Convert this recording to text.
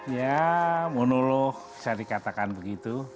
ya monolog bisa dikatakan begitu